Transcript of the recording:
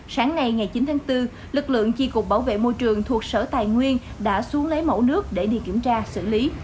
sáng nay ngày chín tháng bốn lực lượng chi cục bảo vệ môi trường thuộc sở tài nguyên đã xuống lấy mẫu nước để đi kiểm tra xử lý